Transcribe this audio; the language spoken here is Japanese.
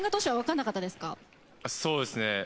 そうですね。